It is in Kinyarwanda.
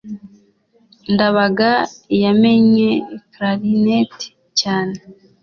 ndabaga yamennye clarinet cyane